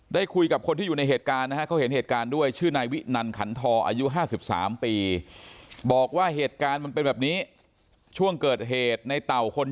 ได้คุยกับคนที่อยู่ในเหตุการณ์นะครับเขาเห็นเหตุการณ์ด้วย